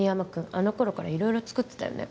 あの頃から色々作ってたよね